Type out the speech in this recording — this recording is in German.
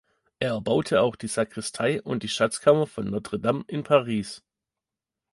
Er erbaute auch die Sakristei und die Schatzkammer von Notre Dame in Paris.